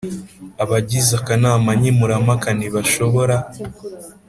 Abagize akanama nkemurampaka ntibashobora